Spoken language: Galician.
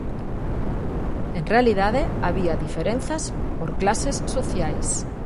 En realidade, había diferenzas por clases sociais.